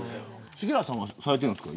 杉原さんはされてるんですか。